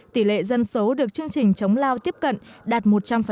tỷ lệ dân số được chương trình chống lao tiếp cận đạt một trăm linh